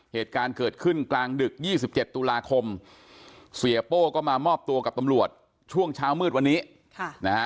เหตุการณ์เกิดขึ้นกลางดึก๒๗ตุลาคมเสียโป้ก็มามอบตัวกับตำรวจช่วงเช้ามืดวันนี้นะฮะ